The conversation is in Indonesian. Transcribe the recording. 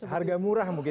harga murah mungkin